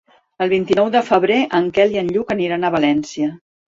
El vint-i-nou de febrer en Quel i en Lluc aniran a València.